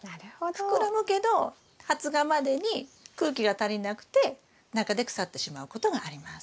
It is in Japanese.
膨らむけど発芽までに空気が足りなくて中で腐ってしまうことがあります。